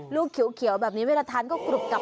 ลูกเขียวแบบนี้เวลาทานก็กรุบกลับ